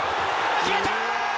決めた！